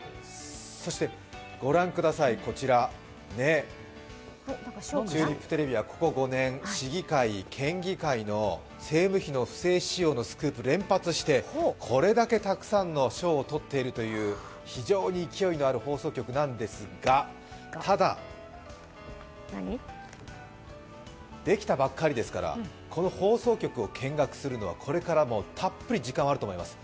そしてご覧ください、こちら、チューリップテレビはここ５年、市議会、県議会の政務費の不正使用のスクープ、連発してこれだけたくさんの賞を取っているという、非常に勢いのある放送局なんですがただ、できたばっかりですからこの放送局を見学するのはこれからもたっぷり時間はあると思います。